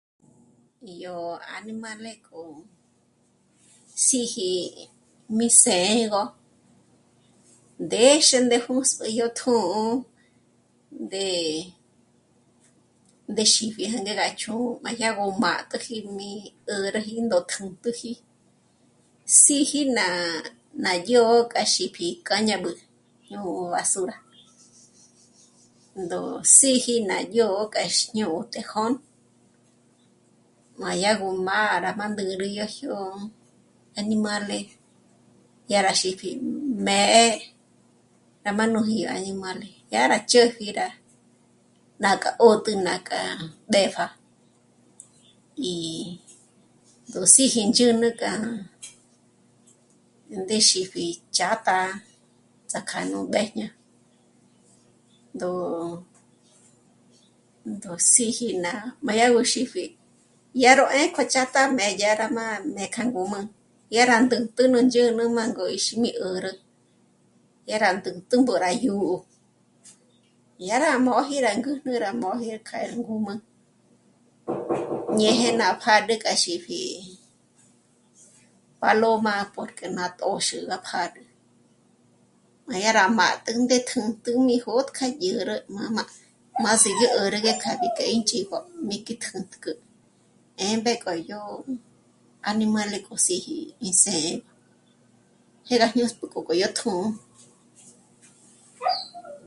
Yó añimále k'o síji mí së̌'ëgö ndéxe ndé jǔsp'ü yó tjṓ'ō ndé, ndéxibi jânge rá chjū́'ū má yá gó má t'ä̀ji mí 'ä̀räji ndó kjä̀t'äji síji ná, ná dyó'o k'a xípi k'a ñáb'ü ñó'o basura, ró síji ná dyó'o k'ax ñò'o tejón, má yá gó mâ'a rá má ndǘrü yó jyó añimále yá rá xípji mě'e á má núji yó áñimale yá rá chjë́ji rá nàk'a 'ótü nàk'a mbépja í tjó'o síji ndzhǚnü k'a ndé xípji chǎt'a tsják'a nú b'éjña. Ndó, ndó síji nà mâ'a yá gó xípji, ya ró 'ékua chǎtajmé yá rá mâ'a né'e k'a ngǔm'ü, yá rá ndǜnt'ü nú ndzhǚnü mângo 'íxi mí 'ä̀rä, yá rá ndǜnt'ü mbó rá jyǔ'u, yá rá mòji rá ngǘjnü rá móji k'a íngǔm'ü, ñeje ná pjâd'ü k'a xípji paloma porque ná t'ö̀xü ná pjâd'ü. Má yá rá mâ'a tǘndǜnt'ü mí jódk'a dyá rá mā́'mā, má sí yó 'ä̀rä ngék'abi k'e ínch'í'igo mí k'í kjǘtkjü, e mbék'o yó añimále k'o síji i së̌'ë jé rá ñǒsp'ok'o yó tjṓ'ō